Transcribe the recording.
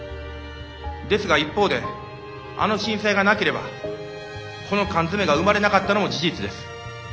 ですが一方であの震災がなければこの缶詰が生まれなかったのも事実です。